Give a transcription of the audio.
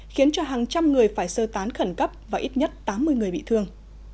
khiến cho hàng trăm người phải sơ tán khẩn cấp và ít nhất tám mươi người bị thương